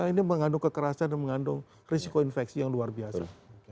ini mengandung kekerasan dan mengandung risiko infeksi yang luar biasa